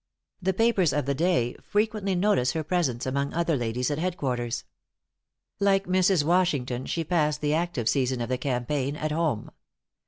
The papers of the day frequently notice her presence, among other ladies, at head quarters. Like Mrs. Washington, she passed the active season of the campaign at home.